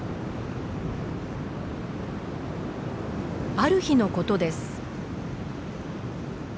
ある日のことです。